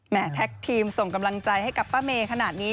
แท็กทีมส่งกำลังใจให้กับป้าเมย์ขนาดนี้